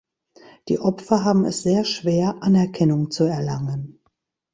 Die Opfer haben es sehr schwer, Anerkennung zu erlangen.